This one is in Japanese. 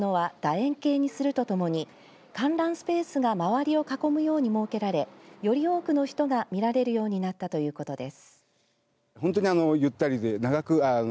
円形にするとともに観覧スペースが周りを囲むように設けられ、より多くの人が見れるようになったということです。